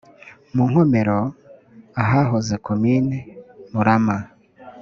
mu nkomero ahahoze komini murama